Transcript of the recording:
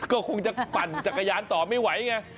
ก็คงจะปั่นจักรยานต่อไม่ไหวไง